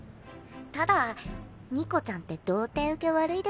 ただニコちゃんって童貞受け悪いでしょ。